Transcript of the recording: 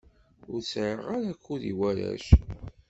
Ur sɛiɣ ara akud i warrac.